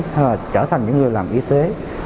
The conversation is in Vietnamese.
hay là trở thành những người làm y tế